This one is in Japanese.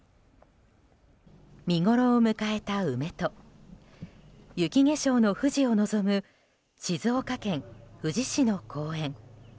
見ごろを迎えた梅と雪化粧の富士を望む静岡県富士市の公園。